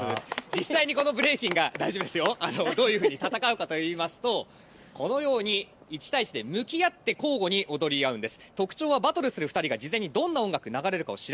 実際にこのブレイキン、どういうふうに戦うかというと、このように１対１で向き合い交互に踊り合うんです。